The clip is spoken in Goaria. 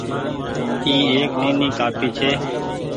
اي ايڪ نيني ڪآپي ڇي۔